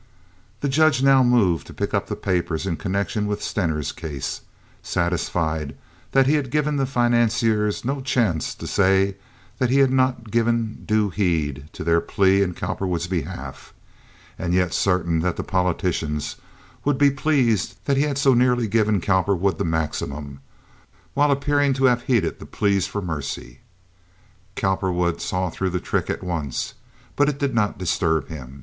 The judge now moved to pick up the papers in connection with Stener's case, satisfied that he had given the financiers no chance to say he had not given due heed to their plea in Cowperwood's behalf and yet certain that the politicians would be pleased that he had so nearly given Cowperwood the maximum while appearing to have heeded the pleas for mercy. Cowperwood saw through the trick at once, but it did not disturb him.